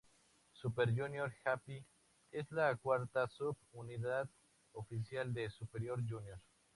Super Junior-Happy es la cuarta sub unidad oficial de Super Junior.